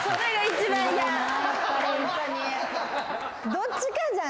どっちかじゃん。